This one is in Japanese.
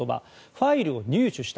ファイルを入手した。